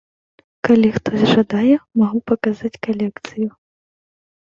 Калі хтось жадае, магу паказаць калекцыю.